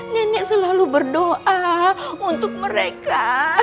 nenek selalu berdoa untuk mereka